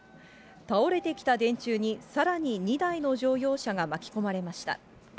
倒れてきた電柱に、さらに２台の乗用車が巻き込まれました。